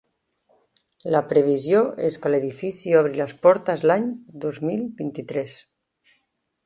La previsió és que l'edifici obri les portes l'any dos mil vint-i-tres.